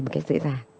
một cách dễ dàng